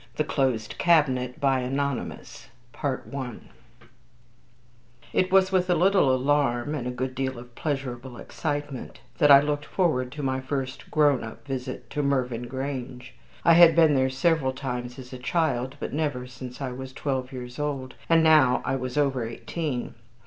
The Closed Cabinet I It was with a little alarm and a good deal of pleasurable excitement that I looked forward to my first grown up visit to Mervyn Grange. I had been there several times as a child, but never since I was twelve years old, and now I was over eighteen.